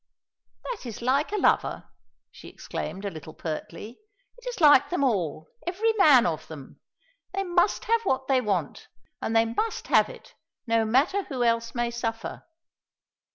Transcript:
"That is like a lover," she exclaimed a little pertly; "it is like them all, every man of them. They must have what they want, and they must have it, no matter who else may suffer."